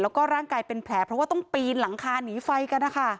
แล้วก็ร่างกายเป็นแผลเพราะว่าต้องปีนหลังคาหนีไฟกันนะคะ